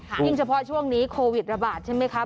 ยิ่งเฉพาะช่วงนี้โควิดระบาดใช่ไหมคะ